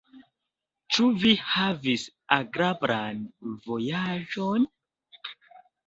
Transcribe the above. Ĉu vi havis agrablan vojaĝon?